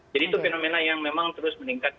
jadi itu fenomena yang memang terus meningkat